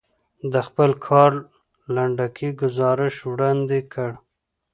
د خپل کار لنډکی ګزارش وړاندې کړ.